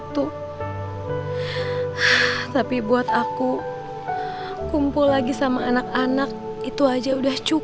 kemarin itu murti sama aku baik baik aja